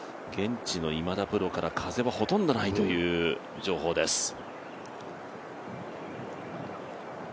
現地の今田プロから風はほとんどないという情報です。